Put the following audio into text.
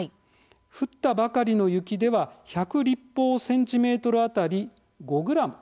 降ったばかりの雪では１００立方センチメートル当たり５ｇ。